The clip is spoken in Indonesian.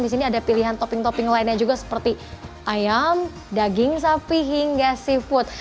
di sini ada pilihan topping topping lainnya juga seperti ayam daging sapi hingga seafood